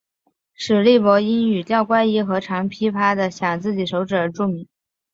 史力柏因语调怪异和常劈啪地晌自己手指而著名。